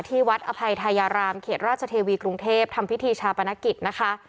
ที่วัดอภัยทายารามเขตราชเทวีกรุงเทพทำพิธีชาปนกิจนะคะ